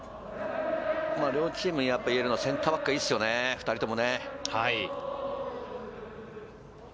両チーム言えるのはセンターバックがいいですね、２人とも。